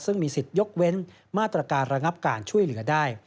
ซึ่งมีสิทธิ์ยกเว้นมาตรการระงับการช่วยเหลือได้